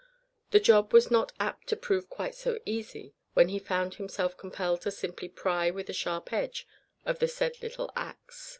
The job was not apt to prove quite so easy when he found himself compelled to simply pry with the sharp edge of the said little axe.